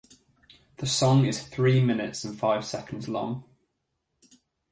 The song is three minutes and five seconds long.